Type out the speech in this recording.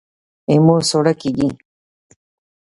زما ساړه کېږي